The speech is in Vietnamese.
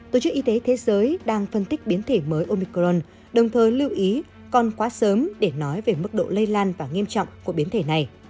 tổ chức y tế thế giới đang phân tích biến thể mới omicron đồng thời lưu ý còn quá sớm để nói về mức độ lây lan và nghiêm trọng của biến thể này